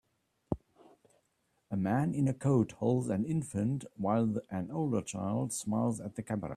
A man in a coat holds an infant while an older child smiles at the camera.